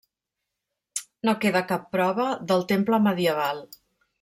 No queda cap prova del temple medieval.